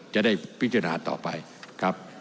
จะได้พิจารณาต่อไปครับ